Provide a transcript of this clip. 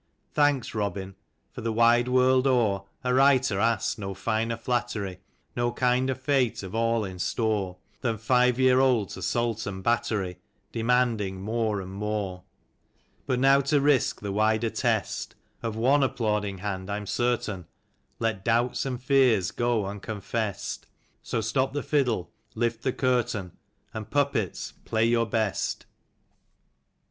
Thanks, Robin : for the wide world o'er A writer asks no finer flattery, No kinder fate of all in store, Than Five years old's assault and battery Demanding more and more. But now to risk the wider test. Of one applauding hand I'm certain,' Let doubts and fears go imconfessed. So stop the fiddle, lift the curtain, And, puppets, play your best.